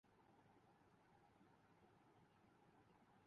انکشاف ہوا کہ نمک مرچ تو راستے سے خریدنا ہی بھول گئے ہیں